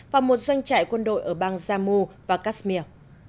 vào một doanh trại quân đội ở bang jamu và kashmir